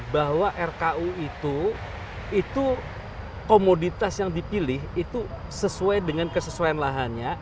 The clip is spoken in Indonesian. bahwa rku itu komoditas yang dipilih itu sesuai dengan kesesuaian lahannya